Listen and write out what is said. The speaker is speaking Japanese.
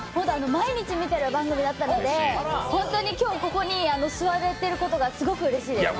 毎日見てる番組だったので本当に今日ここに座れていることがすごくうれしいです。